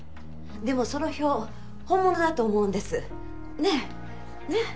でもその表本物だと思うんです。ね？ね？